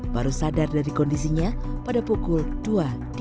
baru sadar dari kondisinya pada pukul dua dini hari